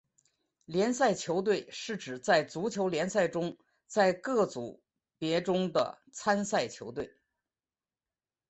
联赛球队是指在足球联赛中在各组别中的参赛球队。